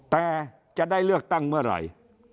แต่จะได้เลือกตั้งเมื่อไหร่